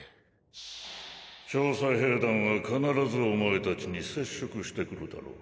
調査兵団は必ずお前たちに接触してくるだろう。